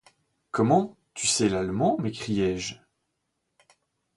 Comment ! tu sais l’allemand ? m’écriai-je.